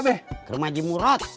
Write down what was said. ke rumah jimurot